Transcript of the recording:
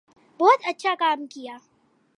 بہت اچھا کام کیا